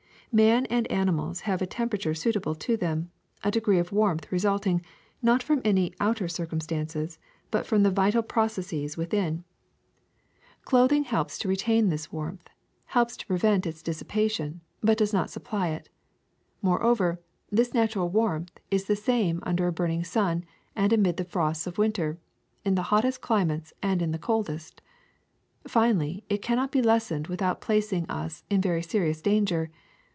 Man and animals have a temperature suitable to them, a degree of warmth resulting, not from any outer cir cumstances, but from the vital processes within. goo THE SECRET OF EVERYDAY THINGS Clothing helps to retain this warmth, helps to pre vent its dissipation, but does not supply it. More over, this natural warmth is the same under a burn ing sun and amid the frosts of winter, in the hottest of climates and in the coldest. Finally, it cannot be lessened without placing us in very serious danger.